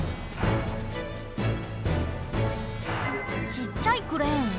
ちっちゃいクレーン？